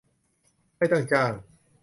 ไม่ต้องจ้าง